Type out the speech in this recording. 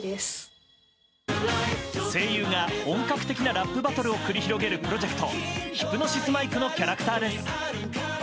声優が本格的なラップバトルを繰り広げるプロジェクト「ヒプノシスマイク」のキャラクターです。